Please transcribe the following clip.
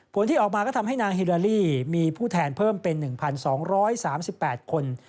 ที่ออกมาก็ทำให้นางฮิลาลีมีผู้แทนเพิ่มเป็น๑๒๓๘คน